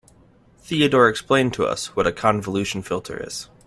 Theodore explained to us what a convolution filter is.